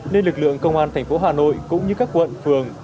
nên lực lượng công an thành phố hà nội cũng như các quận phường